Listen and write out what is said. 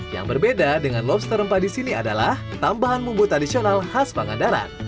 yang berbeda dengan lobster rempah di sini adalah tambahan bumbu tradisional khas pangandaran